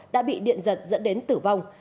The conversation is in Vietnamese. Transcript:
đã bị điện giật dẫn đến tử vong